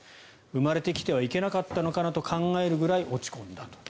生まれてきてはいけなかったのかなと考えるぐらい落ち込んだと。